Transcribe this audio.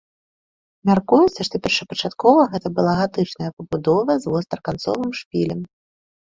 Мяркуецца, што першапачаткова гэта была гатычная пабудова з востраканцовым шпілем.